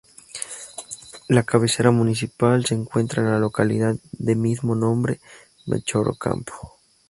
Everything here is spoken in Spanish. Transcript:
La cabecera municipal se encuentra en la localidad de mismo nombre, Melchor Ocampo.